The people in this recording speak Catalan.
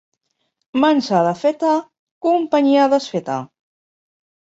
Menjada feta, companyia desfeta.